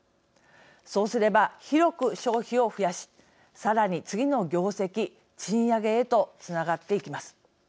そうすれば、広く消費を増やしさらに次の業績賃上げへとつながっていきます。